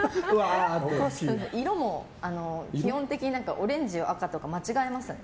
色も基本的にオレンジを赤とか間違えますね。